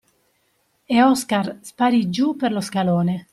E Oscar sparì giù per lo scalone.